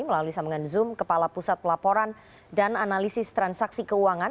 melalui sambungan zoom kepala pusat pelaporan dan analisis transaksi keuangan